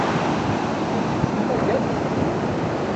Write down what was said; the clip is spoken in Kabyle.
Ad ten-id-temmager?